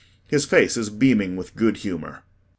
His face is beaming with good humor.